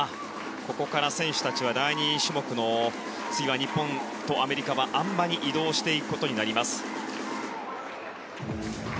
ここから選手たちは第２種目の日本とアメリカはあん馬に移動していきます。